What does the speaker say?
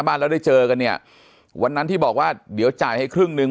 บ้านแล้วได้เจอกันเนี่ยวันนั้นที่บอกว่าเดี๋ยวจ่ายให้ครึ่งหนึ่ง